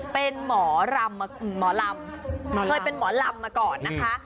เป็นหมอลำมาค่ะ